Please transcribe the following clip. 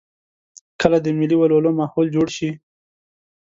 کله د ملي ولولو ماحول جوړ شي.